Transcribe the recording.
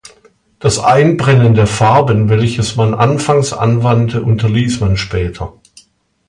Das Einbrennen der Farben, welches man anfangs anwandte, unterließ man später.